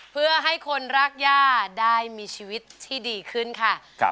เพื่อให้คนรักย่าได้มีชีวิตที่ดีขึ้นค่ะ